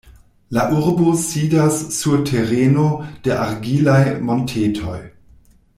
La urbo sidas sur tereno de argilaj montetoj.